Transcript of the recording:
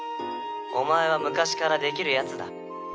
お前は昔からできるヤツだ